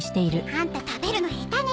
アンタ食べるの下手ね。